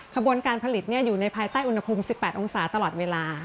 ขบวนการผลิตอยู่ในภายใต้อุณหภูมิ๑๘องศาตลอดเวลา